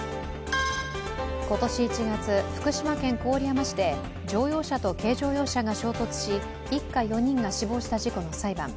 今年１月、福島県郡山市で乗用車と軽乗用車が衝突し、一家４人が死亡した事故の裁判。